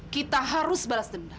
kita harus balas dendam